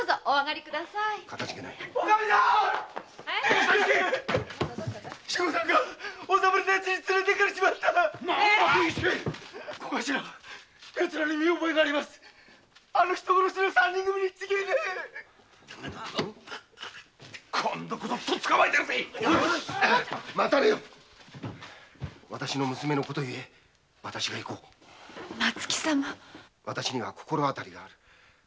わたしには心当たりがある。